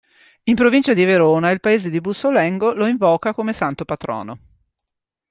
In provincia di Verona il paese di Bussolengo lo invoca come santo patrono.